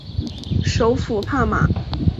首府帕马。